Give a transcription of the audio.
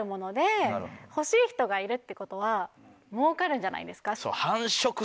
欲しい人がいるってことは儲かるじゃないですか。